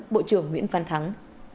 bộ trưởng nguyễn phan thắng